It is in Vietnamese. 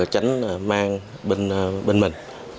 tránh mang bên mình